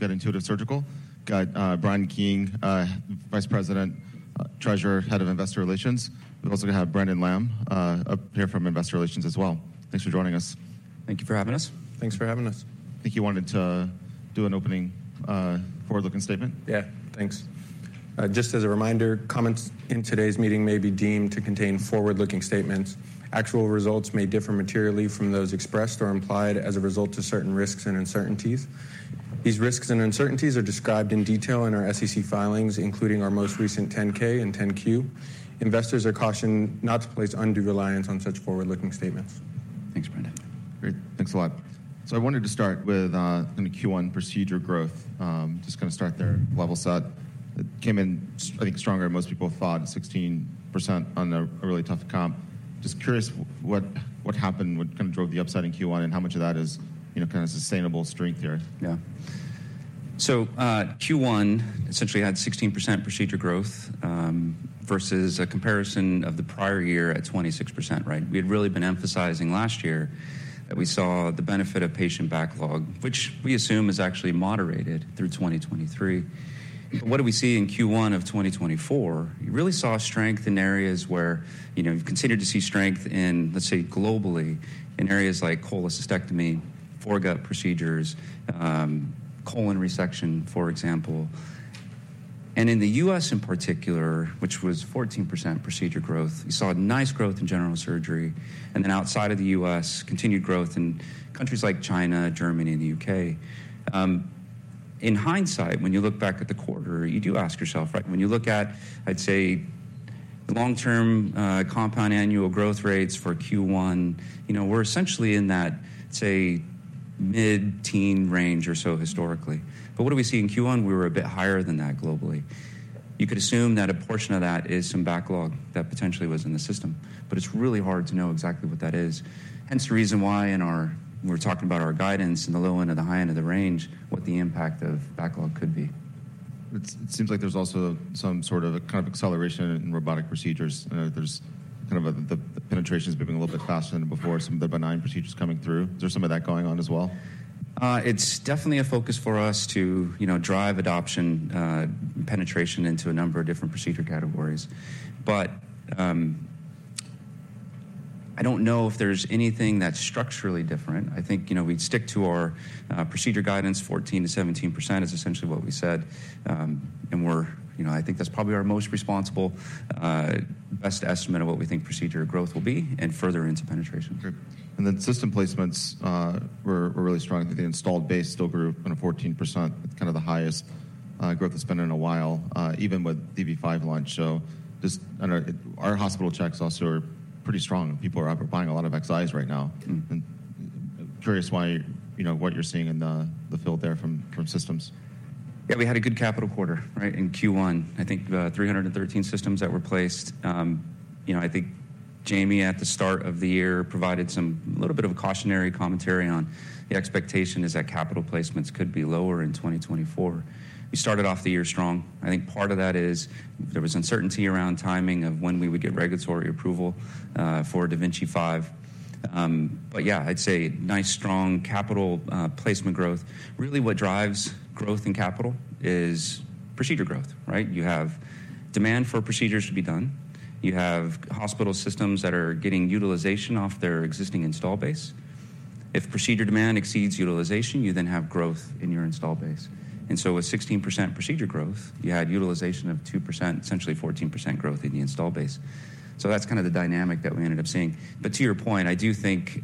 Got Intuitive Surgical, got Brian King, Vice President, Treasurer, Head of Investor Relations. We've also got to have Brandon Lamm up here from Investor Relations as well. Thanks for joining us. Thank you for having us. Thanks for having us. I think you wanted to do an opening, forward-looking statement. Yeah, thanks. Just as a reminder, comments in today's meeting may be deemed to contain forward-looking statements. Actual results may differ materially from those expressed or implied as a result of certain risks and uncertainties. These risks and uncertainties are described in detail in our SEC filings, including our most recent 10-K and 10-Q. Investors are cautioned not to place undue reliance on such forward-looking statements. Thanks, Brandon. Great. Thanks a lot. So I wanted to start with, kind of Q1 procedure growth, just kind of start there, level set. It came in, I think, stronger than most people thought, 16% on a, a really tough comp. Just curious what, what happened, what kind of drove the upside in Q1, and how much of that is, you know, kind of sustainable strength here. Yeah. So, Q1 essentially had 16% procedure growth, versus a comparison of the prior year at 26%, right? We had really been emphasizing last year that we saw the benefit of patient backlog, which we assume is actually moderated through 2023. But what do we see in Q1 of 2024? You really saw strength in areas where, you know, you've continued to see strength in, let's say, globally, in areas like cholecystectomy, foregut procedures, colon resection, for example. And in the U.S. in particular, which was 14% procedure growth, you saw nice growth in general surgery, and then outside of the U.S., continued growth in countries like China, Germany, and the U.K. In hindsight, when you look back at the quarter, you do ask yourself, right, when you look at, I'd say, the long-term, compound annual growth rates for Q1, you know, we're essentially in that, say, mid-teen range or so historically. But what do we see in Q1? We were a bit higher than that globally. You could assume that a portion of that is some backlog that potentially was in the system, but it's really hard to know exactly what that is. Hence the reason why, in our when we're talking about our guidance in the low end or the high end of the range, what the impact of backlog could be. It seems like there's also some sort of a kind of acceleration in robotic procedures. I know there's kind of the penetration's moving a little bit faster than before. Some of the benign procedures coming through. Is there some of that going on as well? It's definitely a focus for us to, you know, drive adoption, penetration into a number of different procedure categories. But, I don't know if there's anything that's structurally different. I think, you know, we'd stick to our procedure guidance. 14%-17% is essentially what we said. And we're, you know, I think that's probably our most responsible, best estimate of what we think procedure growth will be, and further into penetration. Great. And then system placements were really strong. I think the installed base still grew, you know, 14%. That's kind of the highest growth that's been in a while, even with dV5 launch. So just, I don't know, our hospital checks also are pretty strong. People are out there buying a lot of XIs right now. Mm-hmm. Curious why, you know, what you're seeing in the field there from systems? Yeah, we had a good capital quarter, right, in Q1. I think 313 systems that were placed. You know, I think Jamie at the start of the year provided some a little bit of a cautionary commentary on the expectation is that capital placements could be lower in 2024. We started off the year strong. I think part of that is there was uncertainty around timing of when we would get regulatory approval for da Vinci 5. But yeah, I'd say nice strong capital placement growth. Really, what drives growth in capital is procedure growth, right? You have demand for procedures to be done. You have hospital systems that are getting utilization off their existing install base. If procedure demand exceeds utilization, you then have growth in your install base. And so with 16% procedure growth, you had utilization of 2%, essentially 14% growth in the install base. So that's kind of the dynamic that we ended up seeing. But to your point, I do think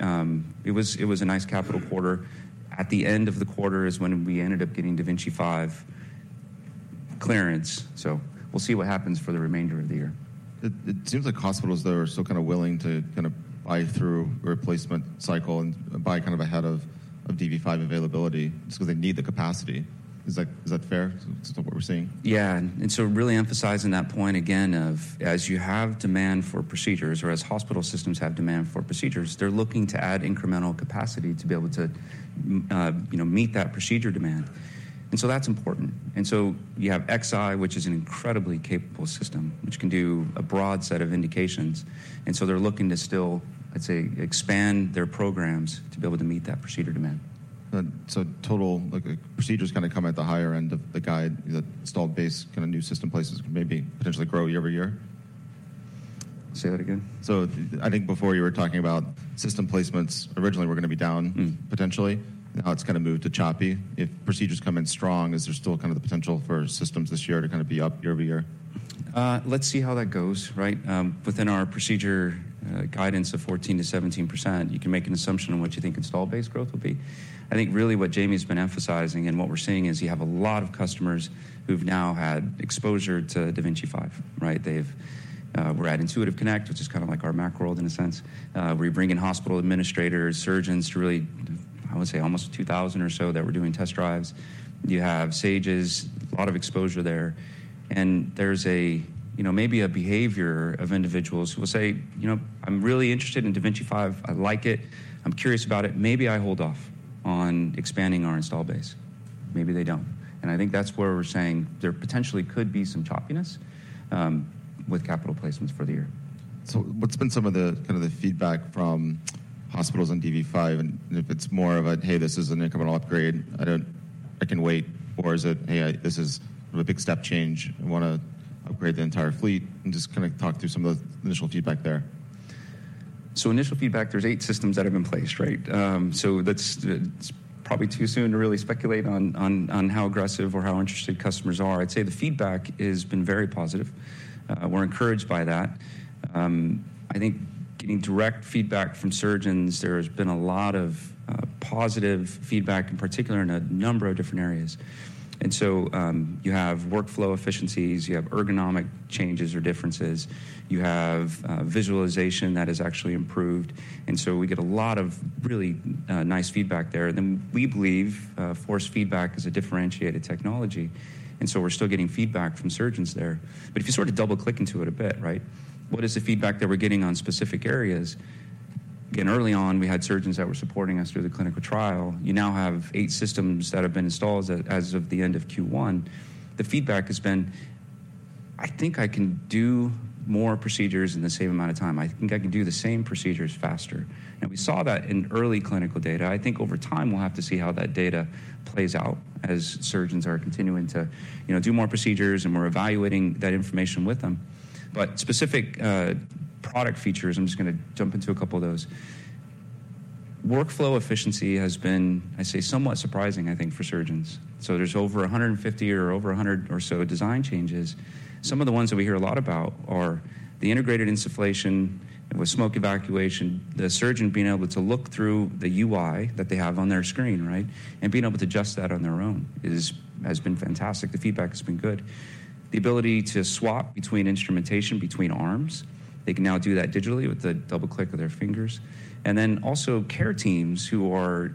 it was a nice capital quarter. At the end of the quarter is when we ended up getting da Vinci 5 clearance. So we'll see what happens for the remainder of the year. It seems like hospitals, though, are still kind of willing to kind of buy through a replacement cycle and buy kind of ahead of DB5 availability just because they need the capacity. Is that fair? Is that what we're seeing? Yeah. And, and so really emphasizing that point again of, as you have demand for procedures, or as hospital systems have demand for procedures, they're looking to add incremental capacity to be able to, you know, meet that procedure demand. And so that's important. And so you have Xi, which is an incredibly capable system, which can do a broad set of indications. And so they're looking to still, I'd say, expand their programs to be able to meet that procedure demand. So total, like, procedures kind of come at the higher end of the guide. The installed base kind of new system placements could maybe potentially grow year over year? Say that again. I think before you were talking about system placements, originally were going to be down. Mm-hmm. Potentially. Now it's kind of moved to choppy. If procedures come in strong, is there still kind of the potential for systems this year to kind of be up year-over-year? Let's see how that goes, right? Within our procedure guidance of 14%-17%, you can make an assumption on what you think install base growth will be. I think really what Jamie's been emphasizing and what we're seeing is you have a lot of customers who've now had exposure to da Vinci 5, right? They've, we're at Intuitive Connect, which is kind of like our macro world in a sense, where you bring in hospital administrators, surgeons to really, I would say, almost 2,000 or so that were doing test drives. You have SAGES, a lot of exposure there. And there's a, you know, maybe a behavior of individuals who will say, you know, "I'm really interested in da Vinci 5. I like it. I'm curious about it. Maybe I hold off on expanding our install base." Maybe they don't. I think that's where we're saying there potentially could be some choppiness, with capital placements for the year. So what's been some of the kind of the feedback from hospitals on DB5? And if it's more of a, "Hey, this is an incremental upgrade. I don't I can wait," or is it, "Hey, I this is a big step change. I want to upgrade the entire fleet?" And just kind of talk through some of the initial feedback there. So initial feedback, there's 8 systems that have been placed, right? So that's, it's probably too soon to really speculate on, on, on how aggressive or how interested customers are. I'd say the feedback has been very positive. We're encouraged by that. I think getting direct feedback from surgeons, there has been a lot of positive feedback, in particular in a number of different areas. And so, you have workflow efficiencies. You have ergonomic changes or differences. You have visualization that has actually improved. And so we get a lot of really nice feedback there. And then we believe force feedback is a differentiated technology. And so we're still getting feedback from surgeons there. But if you sort of double-click into it a bit, right, what is the feedback that we're getting on specific areas? Again, early on, we had surgeons that were supporting us through the clinical trial. You now have 8 systems that have been installed as of the end of Q1. The feedback has been, "I think I can do more procedures in the same amount of time. I think I can do the same procedures faster." And we saw that in early clinical data. I think over time, we'll have to see how that data plays out as surgeons are continuing to, you know, do more procedures, and we're evaluating that information with them. But specific product features, I'm just going to jump into a couple of those. Workflow efficiency has been, I'd say, somewhat surprising, I think, for surgeons. So there's over 150 or over 100 or so design changes. Some of the ones that we hear a lot about are the integrated insufflation with smoke evacuation, the surgeon being able to look through the UI that they have on their screen, right, and being able to adjust that on their own has been fantastic. The feedback has been good. The ability to swap between instrumentation, between arms. They can now do that digitally with the double-click of their fingers. And then also care teams who are,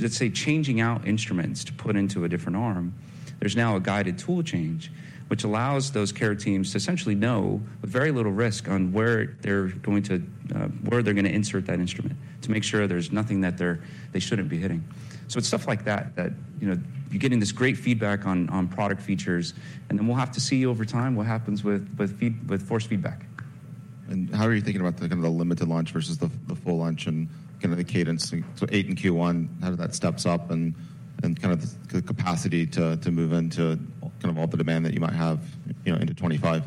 let's say, changing out instruments to put into a different arm. There's now a guided tool change, which allows those care teams to essentially know with very little risk on where they're going to, where they're going to insert that instrument to make sure there's nothing that they shouldn't be hitting. So it's stuff like that that, you know, you're getting this great feedback on, on product features. Then we'll have to see over time what happens with force feedback. How are you thinking about the kind of the limited launch versus the, the full launch and kind of the cadence? So 8 in Q1, how does that steps up and, and kind of the capacity to, to move into kind of all the demand that you might have, you know, into 2025?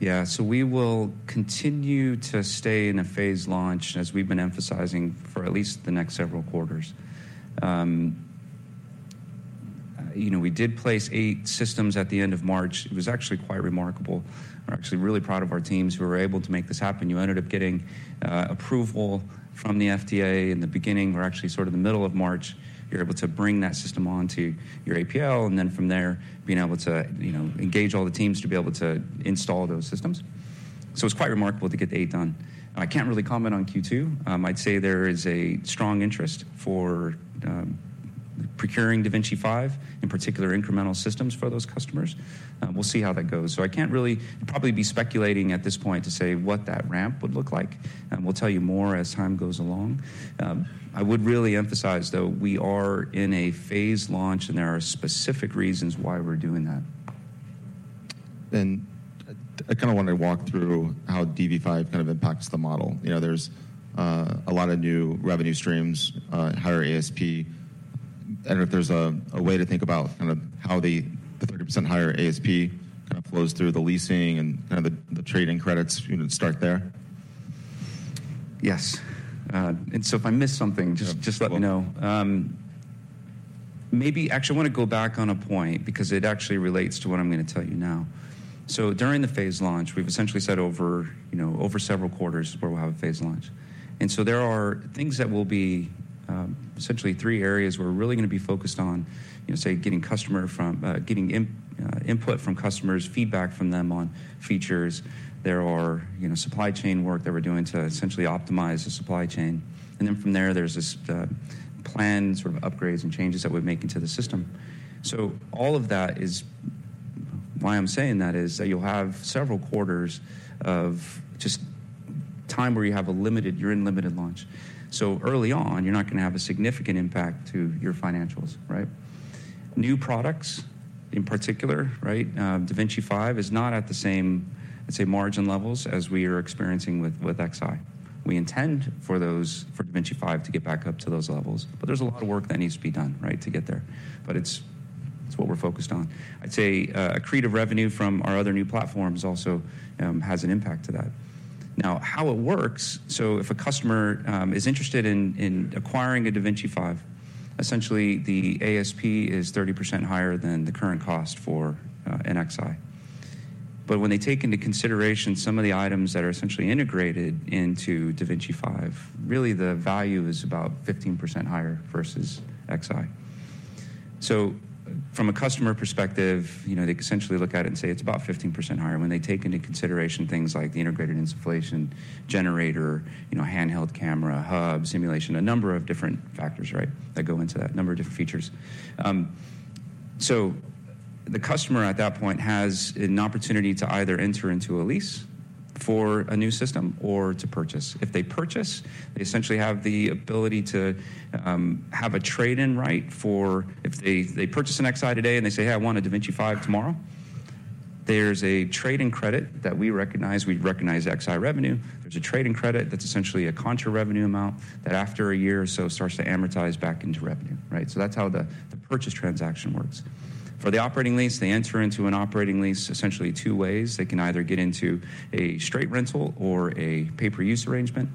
Yeah. So we will continue to stay in a phased launch, as we've been emphasizing, for at least the next several quarters. You know, we did place 8 systems at the end of March. It was actually quite remarkable. We're actually really proud of our teams who were able to make this happen. You ended up getting approval from the FDA in the beginning. We're actually sort of the middle of March. You're able to bring that system onto your APL, and then from there, being able to, you know, engage all the teams to be able to install those systems. So it's quite remarkable to get the 8 done. I can't really comment on Q2. I'd say there is a strong interest for procuring da Vinci 5, in particular incremental systems for those customers. We'll see how that goes. So I can't really probably be speculating at this point to say what that ramp would look like. We'll tell you more as time goes along. I would really emphasize, though, we are in a phased launch, and there are specific reasons why we're doing that. I kind of wanted to walk through how DB5 kind of impacts the model. You know, there's a lot of new revenue streams, higher ASP. I don't know if there's a way to think about kind of how the 30% higher ASP kind of flows through the leasing and kind of the trade-in credits, you know, start there. Yes. And so if I miss something, just let me know. Maybe actually, I want to go back on a point because it actually relates to what I'm going to tell you now. So during the phased launch, we've essentially said over, you know, over several quarters is where we'll have a phased launch. And so there are things that will be, essentially three areas we're really going to be focused on, you know, say, getting customer input from customers, feedback from them on features. There are, you know, supply chain work that we're doing to essentially optimize the supply chain. And then from there, there's this planned sort of upgrades and changes that we're making to the system. So all of that is why I'm saying that is that you'll have several quarters of just time where you have a limited, you're in limited launch. So early on, you're not going to have a significant impact to your financials, right? New products in particular, right, da Vinci 5 is not at the same, I'd say, margin levels as we are experiencing with, with Xi. We intend for those for da Vinci 5 to get back up to those levels, but there's a lot of work that needs to be done, right, to get there. But it's, it's what we're focused on. I'd say, accretive revenue from our other new platforms also, has an impact to that. Now, how it works, so if a customer, is interested in, in acquiring a da Vinci 5, essentially the ASP is 30% higher than the current cost for, an Xi. But when they take into consideration some of the items that are essentially integrated into da Vinci 5, really the value is about 15% higher versus Xi. So from a customer perspective, you know, they could essentially look at it and say it's about 15% higher when they take into consideration things like the integrated insufflation generator, you know, handheld camera, hub, simulation, a number of different factors, right, that go into that, a number of different features. So the customer at that point has an opportunity to either enter into a lease for a new system or to purchase. If they purchase, they essentially have the ability to, have a trade-in right for if they, they purchase an Xi today and they say, "Hey, I want a da Vinci 5 tomorrow," there's a trade-in credit that we recognize. We recognize Xi revenue. There's a trade-in credit that's essentially a contra-revenue amount that after a year or so starts to amortize back into revenue, right? So that's how the, the purchase transaction works. For the operating lease, they enter into an operating lease essentially two ways. They can either get into a straight rental or a pay-per-use arrangement.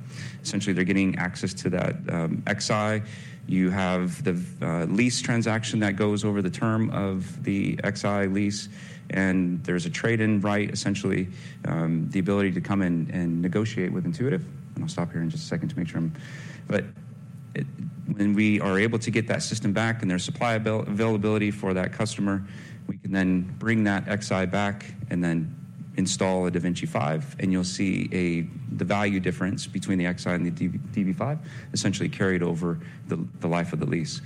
Essentially, they're getting access to that Xi. You have the lease transaction that goes over the term of the Xi lease, and there's a trade-in right, essentially, the ability to come in and negotiate with Intuitive. And I'll stop here in just a second to make sure I'm when we are able to get that system back and there's supply availability for that customer, we can then bring that Xi back and then install a da Vinci 5. And you'll see the value difference between the Xi and the DB5 essentially carried over the life of the lease.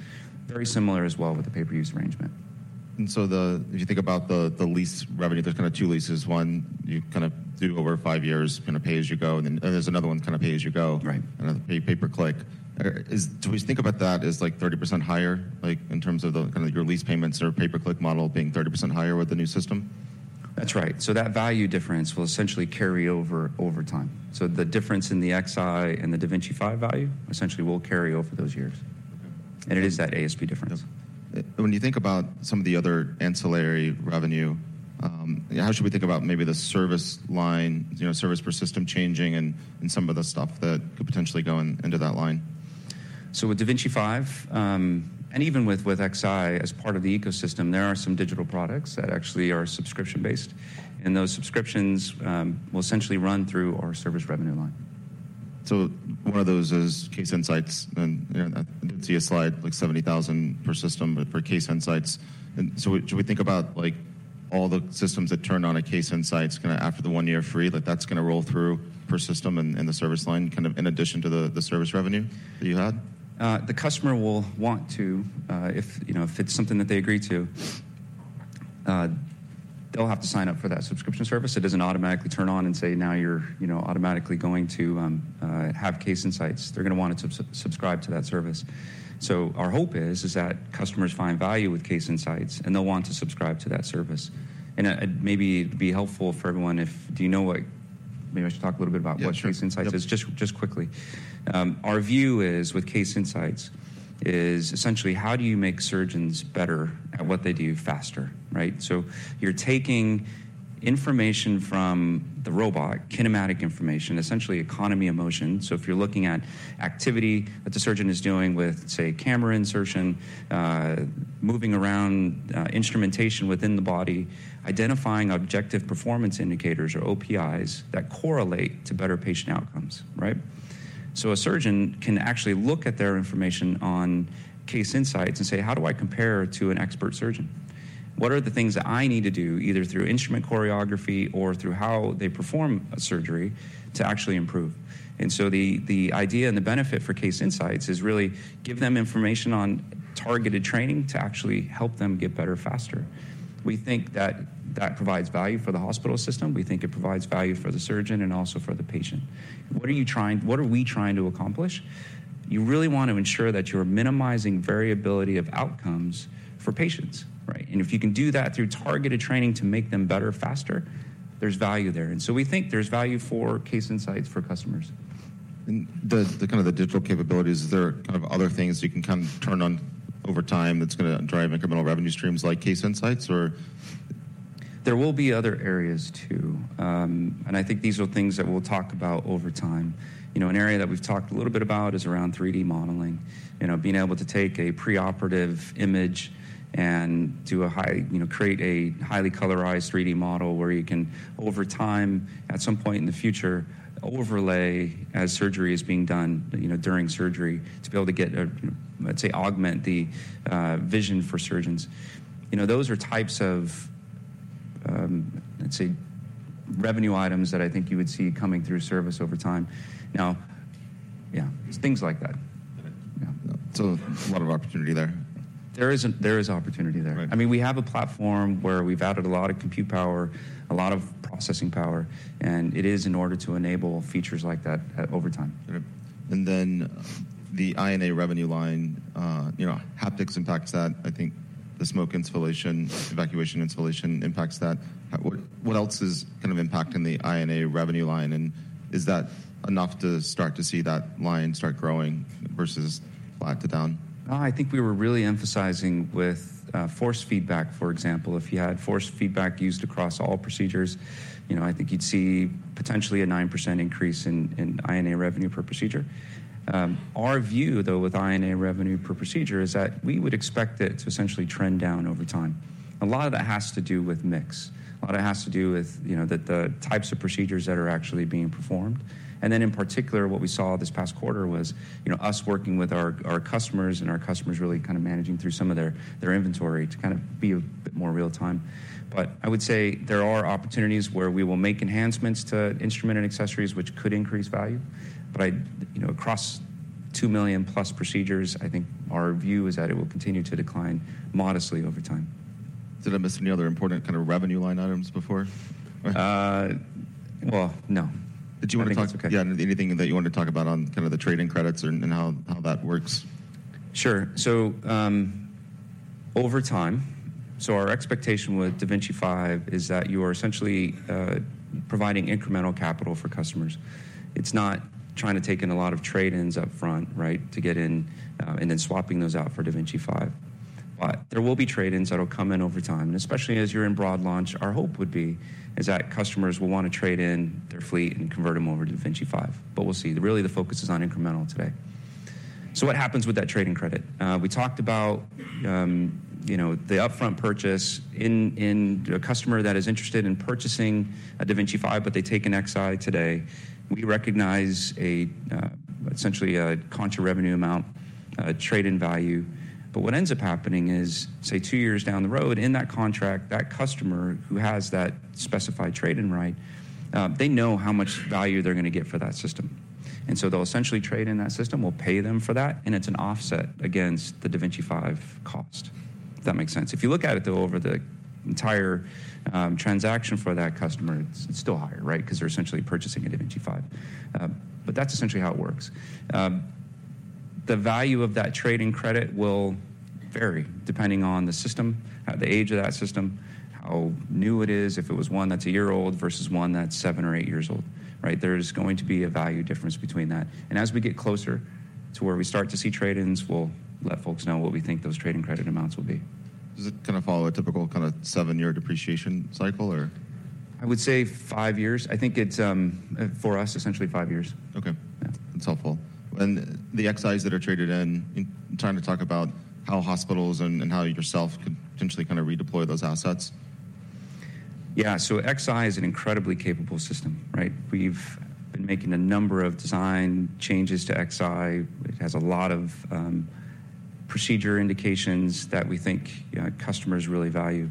Very similar as well with the pay-per-use arrangement. If you think about the lease revenue, there's kind of two leases. One, you kind of do over five years, kind of pay as you go, and then there's another one kind of pay as you go. Right. Another pay-per-click. Is do we think about that as like 30% higher, like in terms of the kind of your lease payments or pay-per-click model being 30% higher with the new system? That's right. That value difference will essentially carry over time. The difference in the Xi and the da Vinci 5 value essentially will carry over those years. It is that ASP difference. When you think about some of the other ancillary revenue, how should we think about maybe the service line, you know, service per system changing and some of the stuff that could potentially go in, into that line? So with da Vinci 5, and even with Xi as part of the ecosystem, there are some digital products that actually are subscription-based. And those subscriptions will essentially run through our service revenue line. So one of those is Case Insights. And, you know, I did see a slide, like $70,000 per system, but for Case Insights. And so should we think about, like, all the systems that turn on at Case Insights kind of after the one-year free, like that's going to roll through per system and, and the service line kind of in addition to the, the service revenue that you had? The customer will want to, if, you know, if it's something that they agree to, they'll have to sign up for that subscription service. It doesn't automatically turn on and say, "Now you're, you know, automatically going to have Case Insights." They're going to want to subscribe to that service. So our hope is that customers find value with Case Insights, and they'll want to subscribe to that service. And it maybe it'd be helpful for everyone if, you know, maybe I should talk a little bit about what Case Insights is, just quickly. Our view with Case Insights is essentially how do you make surgeons better at what they do faster, right? So you're taking information from the robot, kinematic information, essentially economy of motion. So if you're looking at activity that the surgeon is doing with, say, camera insertion, moving around, instrumentation within the body, identifying Objective Performance Indicators or OPIs that correlate to better patient outcomes, right? So a surgeon can actually look at their information on Case Insights and say, "How do I compare to an expert surgeon? What are the things that I need to do either through instrument choreography or through how they perform a surgery to actually improve?" And so the idea and the benefit for Case Insights is really give them information on targeted training to actually help them get better faster. We think that that provides value for the hospital system. We think it provides value for the surgeon and also for the patient. What are we trying to accomplish? You really want to ensure that you're minimizing variability of outcomes for patients, right? And if you can do that through targeted training to make them better faster, there's value there. And so we think there's value for Case Insights for customers. And the kind of digital capabilities, is there kind of other things you can kind of turn on over time that's going to drive incremental revenue streams like Case Insights, or? There will be other areas too. I think these are things that we'll talk about over time. You know, an area that we've talked a little bit about is around 3D modeling, you know, being able to take a preoperative image and do a high, you know, create a highly colorized 3D model where you can over time, at some point in the future, overlay as surgery is being done, you know, during surgery to be able to get a, you know, let's say, augment the, vision for surgeons. You know, those are types of, let's say, revenue items that I think you would see coming through service over time. Now, yeah, things like that. A lot of opportunity there. There is opportunity there. I mean, we have a platform where we've added a lot of compute power, a lot of processing power, and it is in order to enable features like that over time. Then the I&A revenue line, you know, haptics impacts that. I think the smoke evacuation, insufflation impacts that. What else is kind of impacting the I&A revenue line? And is that enough to start to see that line start growing versus flat to down? No, I think we were really emphasizing force feedback. For example, if you had force feedback used across all procedures, you know, I think you'd see potentially a 9% increase in I&A revenue per procedure. Our view, though, with I&A revenue per procedure is that we would expect it to essentially trend down over time. A lot of that has to do with mix. A lot of it has to do with, you know, the types of procedures that are actually being performed. And then in particular, what we saw this past quarter was, you know, us working with our customers and our customers really kind of managing through some of their inventory to kind of be a bit more real-time. But I would say there are opportunities where we will make enhancements to instruments and accessories, which could increase value. I, you know, across 2 million-plus procedures, I think our view is that it will continue to decline modestly over time. Did I miss any other important kind of revenue line items before? well, no. Did you want to talk, yeah, anything that you wanted to talk about on kind of the trade-in credits and how that works? Sure. So, over time, so our expectation with da Vinci 5 is that you are essentially providing incremental capital for customers. It's not trying to take in a lot of trade-ins up front, right, to get in, and then swapping those out for da Vinci 5. But there will be trade-ins that'll come in over time. And especially as you're in broad launch, our hope would be is that customers will want to trade in their fleet and convert them over to da Vinci 5. But we'll see. Really, the focus is on incremental today. So what happens with that trade-in credit we talked about, you know, the upfront purchase in, in a customer that is interested in purchasing a da Vinci 5, but they take a Xi today. We recognize a, essentially a contra-revenue amount, trade-in value. But what ends up happening is, say, two years down the road, in that contract, that customer who has that specified trade-in right, they know how much value they're going to get for that system. And so they'll essentially trade in that system, we'll pay them for that, and it's an offset against the da Vinci 5 cost, if that makes sense. If you look at it, though, over the entire transaction for that customer, it's still higher, right, because they're essentially purchasing a da Vinci 5. But that's essentially how it works. The value of that trading credit will vary depending on the system, the age of that system, how new it is, if it was one that's a year old versus one that's seven or eight years old, right? There's going to be a value difference between that. As we get closer to where we start to see trade-ins, we'll let folks know what we think those trade-in credit amounts will be. Does it kind of follow a typical kind of seven-year depreciation cycle, or? I would say 5 years. I think it's, for us, essentially 5 years. Okay. That's helpful. The Xi's that are traded in, trying to talk about how hospitals and how you could potentially kind of redeploy those assets? Yeah. So XI is an incredibly capable system, right? We've been making a number of design changes to XI. It has a lot of procedure indications that we think, you know, customers really value.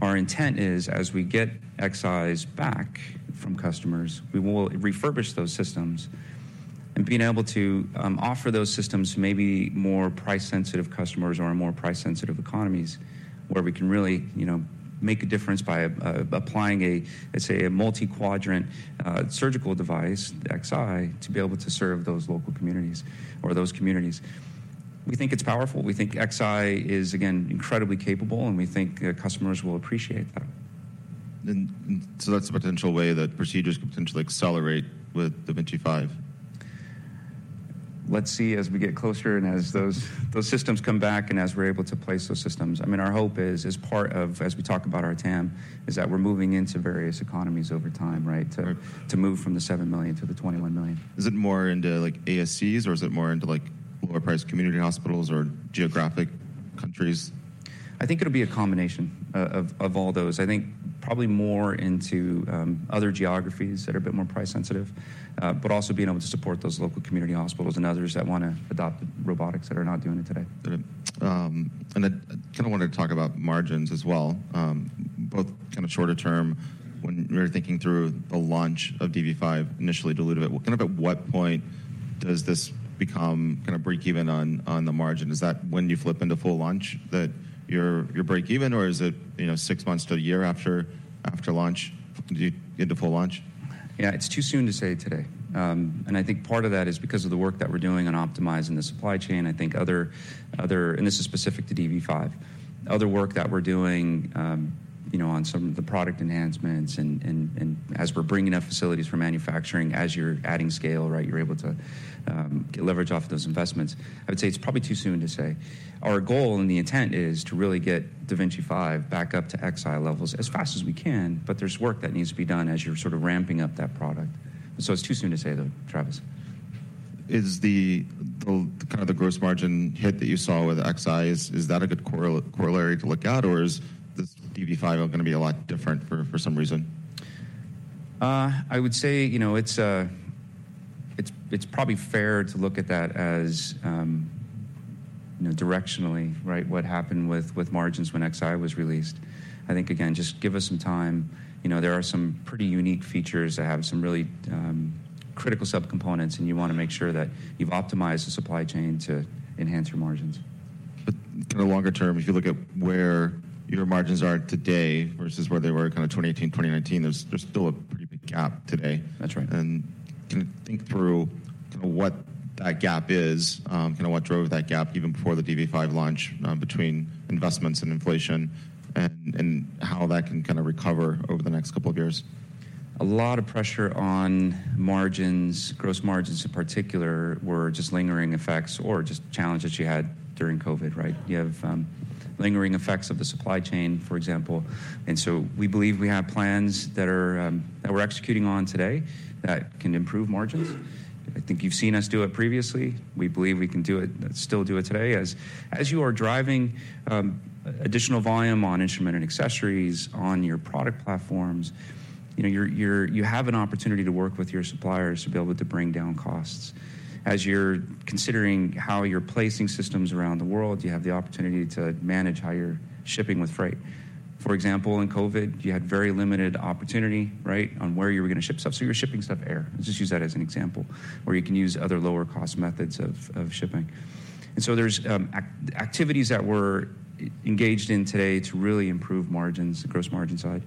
Our intent is, as we get XIs back from customers, we will refurbish those systems and being able to offer those systems to maybe more price-sensitive customers or in more price-sensitive economies where we can really, you know, make a difference by applying a, let's say, a multi-quadrant surgical device, XI, to be able to serve those local communities or those communities. We think it's powerful. We think XI is, again, incredibly capable, and we think customers will appreciate that. That's a potential way that procedures could potentially accelerate with da Vinci 5? Let's see, as we get closer and as those, those systems come back and as we're able to place those systems, I mean, our hope is, as part of as we talk about our TAM, is that we're moving into various economies over time, right, to move from the 7 million to the 21 million. Is it more into, like, ASCs, or is it more into, like, lower-priced community hospitals or geographic countries? I think it'll be a combination of all those. I think probably more into other geographies that are a bit more price-sensitive, but also being able to support those local community hospitals and others that want to adopt robotics that are not doing it today. And I kind of wanted to talk about margins as well. Both kind of shorter-term, when you were thinking through the launch of DV5, initially diluted it, kind of at what point does this become kind of break-even on the margin? Is that when you flip into full launch that you're break-even, or is it, you know, six months to a year after launch? Do you get into full launch? Yeah, it's too soon to say today. I think part of that is because of the work that we're doing on optimizing the supply chain. I think other and this is specific to DV5. Other work that we're doing, you know, on some of the product enhancements and as we're bringing up facilities for manufacturing, as you're adding scale, right, you're able to leverage off of those investments. I would say it's probably too soon to say. Our goal and the intent is to really get da Vinci 5 back up to Xi levels as fast as we can, but there's work that needs to be done as you're sort of ramping up that product. So it's too soon to say, though, Travis. Is the kind of gross margin hit that you saw with Xi's, is that a good corollary to look at, or is this DV5 going to be a lot different for some reason? I would say, you know, it's probably fair to look at that as, you know, directionally, right, what happened with margins when Xi was released. I think, again, just give us some time. You know, there are some pretty unique features that have some really critical subcomponents, and you want to make sure that you've optimized the supply chain to enhance your margins. But kind of longer-term, if you look at where your margins are today versus where they were kind of 2018, 2019, there's still a pretty big gap today. That's right. Can you think through kind of what that gap is, kind of what drove that gap even before the DV5 launch, between investments and inflation, and how that can kind of recover over the next couple of years? A lot of pressure on margins, gross margins in particular, were just lingering effects or just challenges you had during COVID, right? You have lingering effects of the supply chain, for example. And so we believe we have plans that we're executing on today that can improve margins. I think you've seen us do it previously. We believe we can still do it today. As you are driving additional volume on instruments and accessories on your product platforms, you know, you have an opportunity to work with your suppliers to be able to bring down costs. As you're considering how you're placing systems around the world, you have the opportunity to manage how you're shipping with freight. For example, in COVID, you had very limited opportunity, right, on where you were going to ship stuff. So you were shipping stuff air. Let's just use that as an example, where you can use other lower-cost methods of shipping. And so there's activities that were engaged in today to really improve margins, the gross margin side,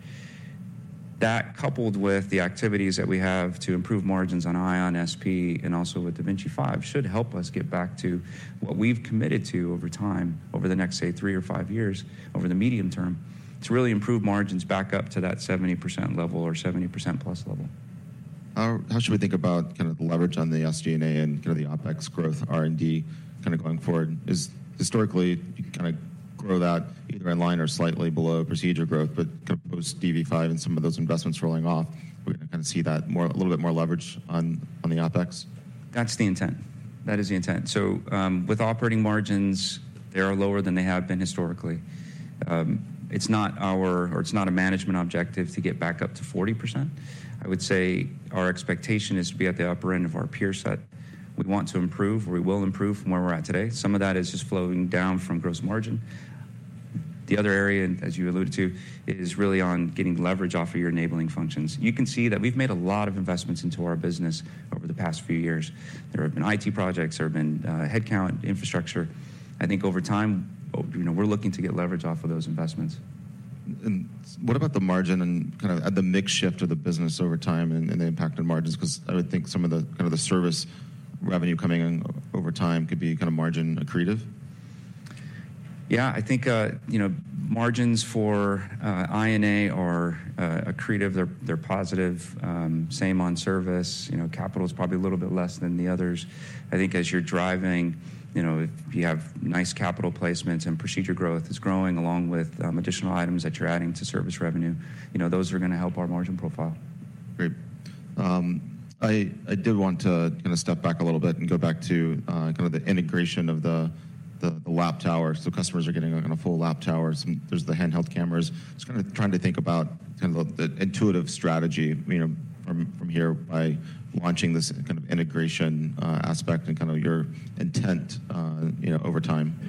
that coupled with the activities that we have to improve margins on Ion, SP, and also with da Vinci 5 should help us get back to what we've committed to over time, over the next, say, three or five years, over the medium term, to really improve margins back up to that 70% level or 70%-plus level. How, how should we think about kind of the leverage on the SG&A and kind of the OpEx growth, R&D, kind of going forward? Is historically, you kind of grow that either in line or slightly below procedure growth, but kind of post-DV5 and some of those investments rolling off, we're going to kind of see that more a little bit more leverage on, on the OpEx? That's the intent. That is the intent. So, with operating margins, they are lower than they have been historically. It's not our or it's not a management objective to get back up to 40%. I would say our expectation is to be at the upper end of our peer set. We want to improve, or we will improve from where we're at today. Some of that is just flowing down from gross margin. The other area, as you alluded to, is really on getting leverage off of your enabling functions. You can see that we've made a lot of investments into our business over the past few years. There have been IT projects, there have been, headcount, infrastructure. I think over time, you know, we're looking to get leverage off of those investments. What about the margin and kind of the mix shift of the business over time and the impact on margins? Because I would think some of the kind of the service revenue coming in over time could be kind of margin accretive. Yeah, I think you know, margins for INA are accretive. They're, they're positive. Same on service. You know, capital is probably a little bit less than the others. I think as you're driving, you know, if you have nice capital placements and procedure growth is growing along with additional items that you're adding to service revenue, you know, those are going to help our margin profile. Great. I did want to kind of step back a little bit and go back to kind of the integration of the lap tower. So customers are getting a kind of full lap tower. There's the handheld cameras. Just kind of trying to think about kind of the Intuitive strategy, you know, from here by launching this kind of integration aspect and kind of your intent, you know, over time.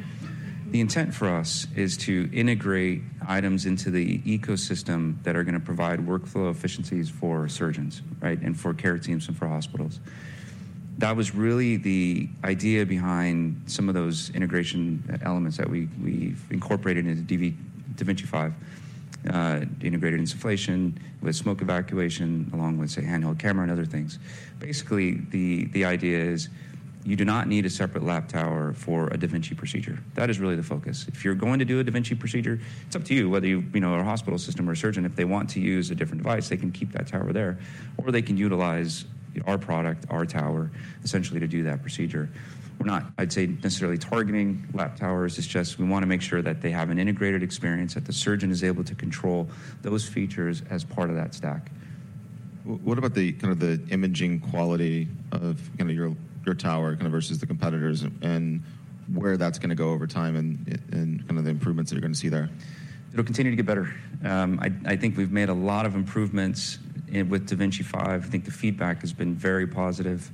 The intent for us is to integrate items into the ecosystem that are going to provide workflow efficiencies for surgeons, right, and for care teams and for hospitals. That was really the idea behind some of those integration elements that we incorporated into da Vinci 5, integrated insufflation with smoke evacuation along with, say, handheld camera and other things. Basically, the idea is you do not need a separate lap tower for a da Vinci procedure. That is really the focus. If you're going to do a da Vinci procedure, it's up to you whether you, you know, a hospital system or a surgeon, if they want to use a different device, they can keep that tower there, or they can utilize our product, our tower, essentially to do that procedure. We're not, I'd say, necessarily targeting lap towers. It's just we want to make sure that they have an integrated experience that the surgeon is able to control those features as part of that stack. What about the kind of the imaging quality of kind of your, your tower kind of versus the competitors and where that's going to go over time and, and kind of the improvements that you're going to see there? It'll continue to get better. I think we've made a lot of improvements with da Vinci 5. I think the feedback has been very positive.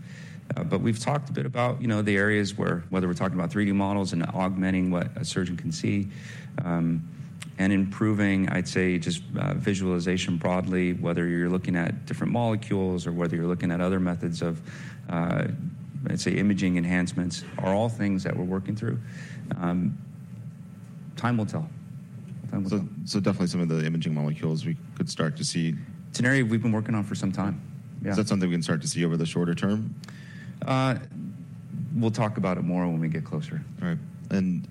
But we've talked a bit about, you know, the areas where whether we're talking about 3D models and augmenting what a surgeon can see, and improving, I'd say, just, visualization broadly, whether you're looking at different modalities or whether you're looking at other methods of, let's say, imaging enhancements are all things that we're working through. Time will tell. Time will tell. So, so definitely some of the imaging molecules we could start to see. Scenario we've been working on for some time. Yeah. Is that something we can start to see over the shorter-term? We'll talk about it more when we get closer. All right.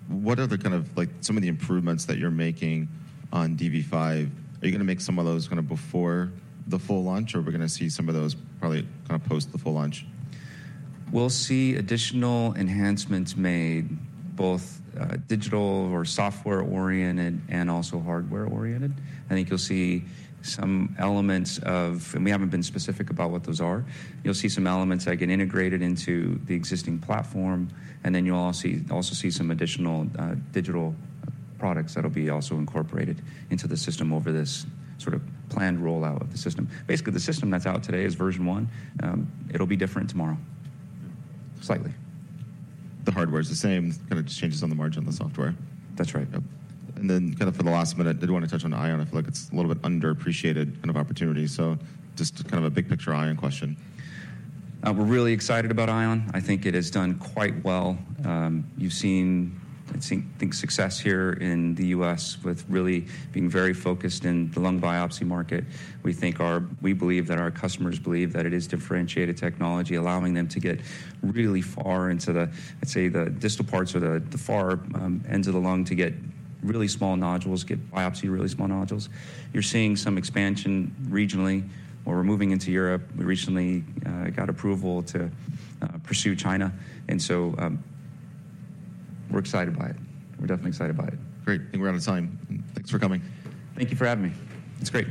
What are the kind of, like, some of the improvements that you're making on DV5? Are you going to make some of those kind of before the full launch, or are we going to see some of those probably kind of post the full launch? We'll see additional enhancements made both digital or software-oriented and also hardware-oriented. I think you'll see some elements, and we haven't been specific about what those are. You'll see some elements that get integrated into the existing platform, and then you'll all see some additional digital products that'll be also incorporated into the system over this sort of planned rollout of the system. Basically, the system that's out today is version one. It'll be different tomorrow, slightly. The hardware is the same. Kind of just changes on the margin on the software. That's right. And then kind of for the last minute, I did want to touch on Ion. I feel like it's a little bit underappreciated kind of opportunity. So just kind of a big picture Ion question. We're really excited about Ion. I think it has done quite well. You've seen, I think, success here in the U.S. with really being very focused in the lung biopsy market. We think we believe that our customers believe that it is differentiated technology, allowing them to get really far into the, let's say, the distal parts or the, the far, ends of the lung to get really small nodules, get biopsy really small nodules. You're seeing some expansion regionally. We're moving into Europe. We recently got approval to pursue China. And so, we're excited by it. We're definitely excited by it. Great. I think we're out of time. Thanks for coming. Thank you for having me. It's great.